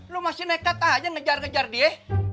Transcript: lo masih nekat aja ngejar ngejar dia